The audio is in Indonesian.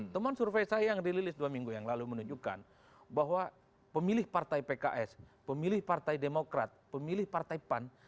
teman survei saya yang dirilis dua minggu yang lalu menunjukkan bahwa pemilih partai pks pemilih partai demokrat pemilih partai pan